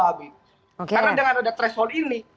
karena dengan ada threshold ini